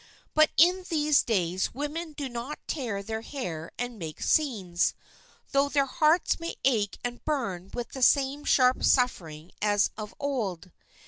But in these days women do not tear their hair and make scenes, though their hearts may ache and burn with the same sharp suffering as of old.